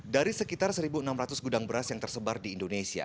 dari sekitar satu enam ratus gudang beras yang tersebar di indonesia